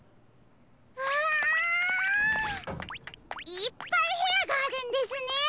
いっぱいへやがあるんですね。